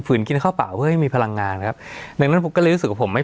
กินข้าวเปล่าเพื่อให้มีพลังงานครับดังนั้นผมก็เลยรู้สึกว่าผมไม่